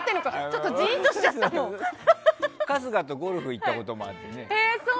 春日とゴルフに行ったこともあってね。